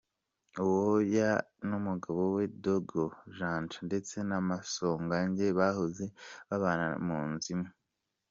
Uwoya n’umugabo we Dogo Janja ndetse na Masogange bahoze babana mu nzu imwe.